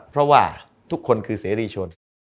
เพราะว่าทุกคนคือเสรีชน